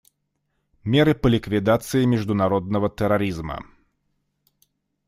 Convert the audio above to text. Меры по ликвидации международного терроризма.